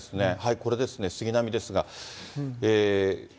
これですね、杉並ですが。